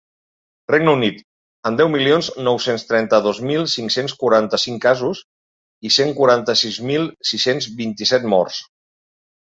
Regne Unit, amb deu milions nou-cents trenta-dos mil cinc-cents quaranta-cinc casos i cent quaranta-sis mil sis-cents vint-i-set morts.